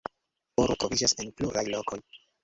Oro troviĝas en pluraj lokoj.